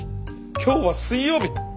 今日は水曜日。